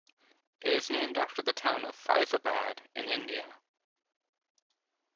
It is named after the town of Faizabad in India.